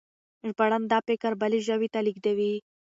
ژباړن دا فکر بلې ژبې ته لېږدوي.